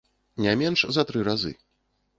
Не менш за тры разы.